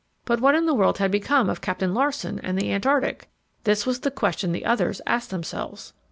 But what in the world had become of Captain Larsen and the Antarctic? This was the question the others asked themselves.